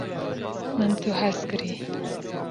min tu hez kirî